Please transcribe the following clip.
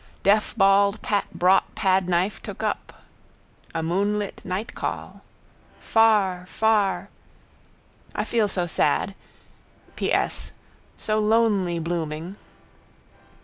Deaf bald Pat brought pad knife took up. A moonlit nightcall: far, far. I feel so sad. P. S. So lonely blooming.